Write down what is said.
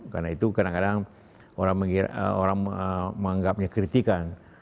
karena itu kadang kadang orang menganggapnya kritikan